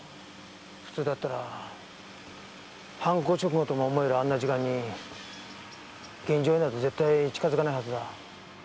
普通だったら犯行直後とも思えるあんな時間に現場になど絶対近づかないはずだ。